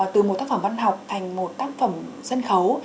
từ một tác phẩm văn học thành một tác phẩm sân khấu